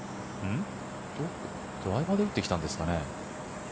ドライバーで打ってきたんですかね？